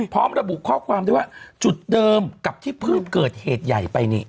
พร้อมระบุข้อความด้วยว่าจุดเดิมกับที่เพิ่งเกิดเหตุใหญ่ไปนี่